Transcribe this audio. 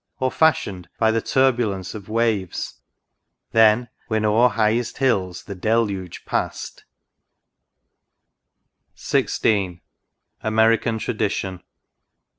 Or fashioned by the turbulence of waves. Then, when o'er highest hills the Deluge past ?€ 18 THE RIVER DUDDON. XVI. AMERICAN TRADITION.